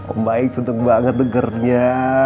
om baik seneng banget dengernya